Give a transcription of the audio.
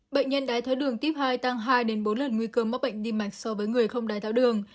bệnh nhân đái tháo đường tiếp hai tăng hai bốn lần nguy cơ mắc bệnh tim mạch so với người không đái tháo đường